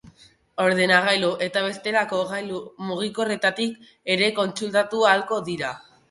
Ordenagailu eta bestelako gailu mugikorretatik ere kontsultatu ahalko dira.